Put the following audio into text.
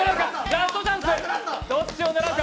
ラストチャンス。